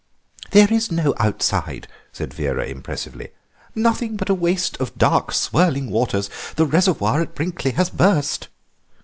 "There is no outside," said Vera impressively, "nothing but a waste of dark, swirling waters. The reservoir at Brinkley has burst."